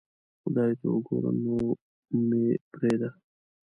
خدای ته اوګوره نو مې پریدا